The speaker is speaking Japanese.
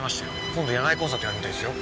今度野外コンサートやるみたいですよ。